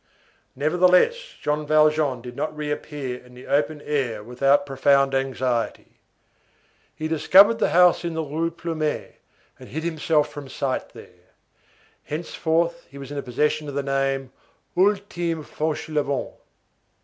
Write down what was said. Nevertheless, Jean Valjean did not reappear in the open air without profound anxiety. He discovered the house in the Rue Plumet, and hid himself from sight there. Henceforth he was in the possession of the name:—Ultime Fauchelevent.